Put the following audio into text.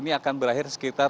nisa berapa waktu